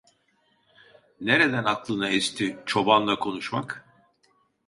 Nereden aklına esti çobanla konuşmak!